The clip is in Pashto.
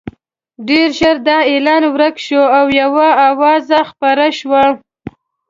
ډېر ژر دا اعلان ورک شو او یوه اوازه خپره شوه.